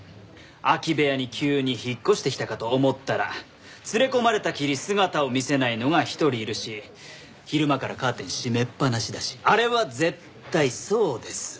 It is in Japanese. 空き部屋に急に引っ越してきたかと思ったら連れ込まれたきり姿を見せないのが１人いるし昼間からカーテン閉めっぱなしだしあれは絶対そうです。